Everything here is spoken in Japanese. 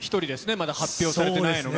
まだ発表されてないのが。